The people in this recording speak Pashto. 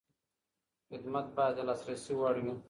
خدمت باید د لاسرسي وړ وي.